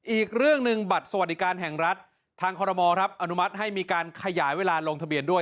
อีกเรื่องหนึ่งบัตรสวัสดิการแห่งรัฐทางคอรมอครับอนุมัติให้มีการขยายเวลาลงทะเบียนด้วย